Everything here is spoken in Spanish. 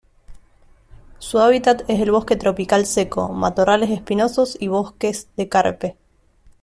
Su hábitat es el bosque tropical seco, matorrales espinosos y bosques de carpe.